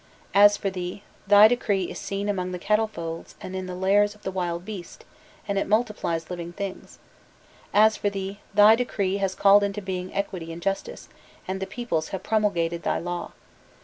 As for thee, thy degree is seen in the cattle folds and in the lairs of the wild beasts, and it multiplies living things! As for thee, thy decree has called into being equity and justice, and the peoples have promulgated thy law!